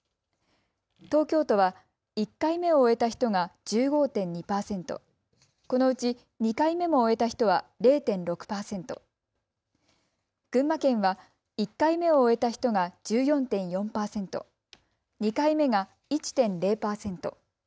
東京都は１回目を終えた人が１５．２％、このうち２回目も終えた人は０．６％、群馬県は１回目を終えた人が１４．４％、２回目が１．０％。